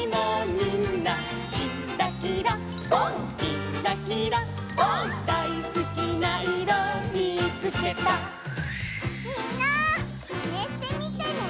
みんなマネしてみてね！